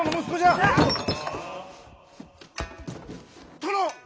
殿！